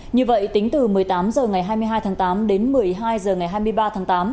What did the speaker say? như vậy tính từ một mươi tám h ngày hai mươi hai tháng tám đến một mươi hai h ngày hai mươi ba tháng tám